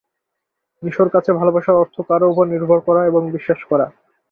নিশোর কাছে ভালোবাসার অর্থ কারও ওপর নির্ভর করা এবং বিশ্বাস করা।